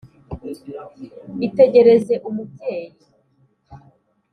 Itegereze umubyeyi